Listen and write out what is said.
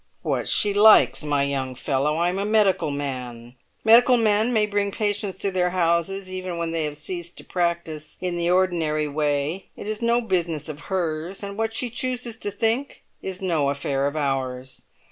"What she likes, my young fellow! I am a medical man; medical men may bring patients to their houses even when they have ceased to practise in the ordinary way. It is no business of hers, and what she chooses to think is no affair of ours.